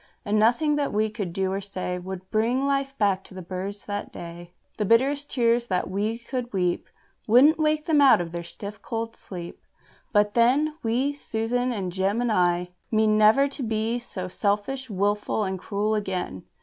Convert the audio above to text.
And nothing that we could do or say Would bring life back to the birds that day. The bitterest tears that we could weep Wouldn't wake them out of their stiff cold sleep. But then, We Susan and Jem and I mean never to be so selfish, and wilful, and cruel again.